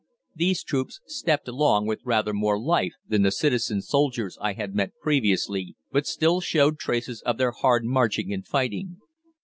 These troops stepped along with rather more life than the citizen soldiers I had met previously, but still showed traces of their hard marching and fighting.